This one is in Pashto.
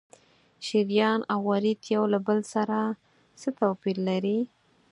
شریان او ورید یو له بل سره څه توپیر لري؟